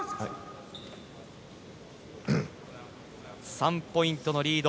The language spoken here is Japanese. ３ポイントのリード